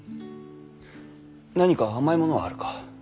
何か甘いものはあるか？